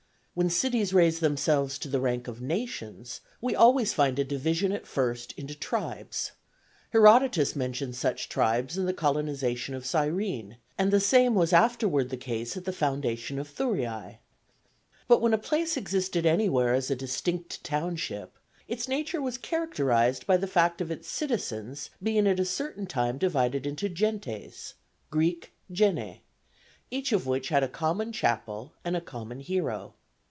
When cities raise themselves to the rank of nations, we always find a division at first into tribes; Herodotus mentions such tribes in the colonization of Cyrene, and the same was afterward the case at the foundation of Thurii; but when a place existed anywhere as a distinct township, its nature was characterized by the fact of its citizens being at a certain time divided into gentes [Greek: genê], each of which had a common chapel and a common hero.